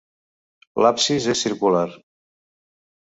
L'absis és circular.